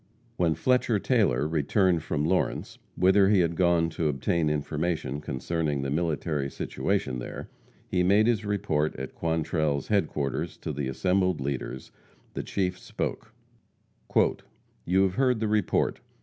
When Fletcher Taylor returned from Lawrence, whither he had gone to obtain information concerning the military situation there, and made his report at Quantrell's headquarters to the assembled leaders, the Chief spoke: "You have heard the report.